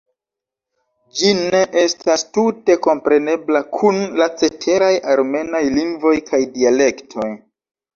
Ĝi ne estas tute komprenebla kun la ceteraj armenaj lingvoj kaj dialektoj.